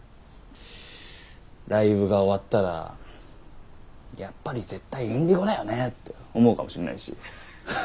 ライブが終わったらやっぱり絶対Ｉｎｄｉｇｏだよねって思うかもしんないし。